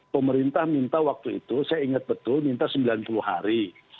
pemerintah minta waktu itu saya ingat betul minta sembilan puluh hari